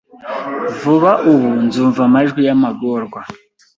Vuba ubu nzumva amajwi y'amagorwa